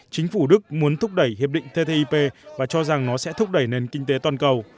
chính phủ đức muốn thúc đẩy hiệp định ttip và cho rằng nó sẽ thúc đẩy nền kinh tế toàn cầu